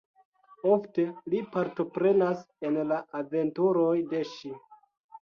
Ofte li partoprenas en la aventuroj de ŝi.